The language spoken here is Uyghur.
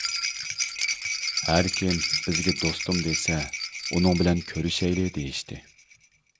ھەر كىم بىزگە دوستۇم دېسە ئۇنىڭ بىلەن كۆرۈشەيلى دېيىشتى.